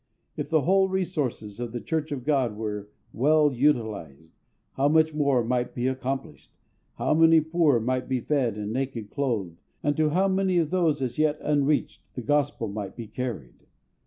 If the whole resources of the Church of GOD were well utilised, how much more might be accomplished! How many poor might be fed and naked clothed, and to how many of those as yet unreached the Gospel might be carried!